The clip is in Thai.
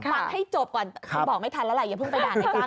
ฝากให้จบก่อนคุณบอกไม่ทันแล้วอย่าเพิ่งไปด่านายจ้าง